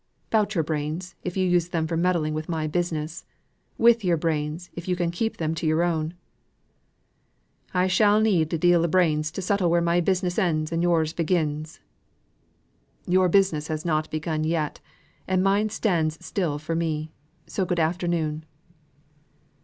"'Bout your brains if you use them for meddling with my business; with your brains if you can keep to your own." "I shall need a deal o' brains to settle where my business ends and yo'rs begins." "Your business has not begun yet, and mine stands still for me. So good afternoon."